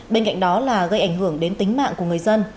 bên cạnh đó là gây ảnh hưởng đến tính mạng của người dân